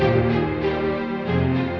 beli satu doang